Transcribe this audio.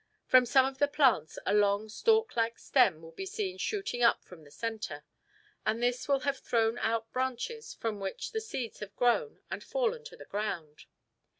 From some of the plants a long stalk like stem will be seen shooting up from the centre, and this will have thrown out branches from which the seeds have grown and fallen to the ground.